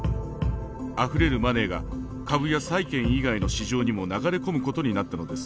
あふれるマネーが株や債権以外の市場にも流れ込むことになったのです。